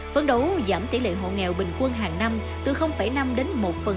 phấn đấu giảm tỷ lệ hộ nghèo bình quân hàng năm từ năm đến một